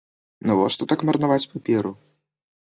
Навошта так марнаваць паперу?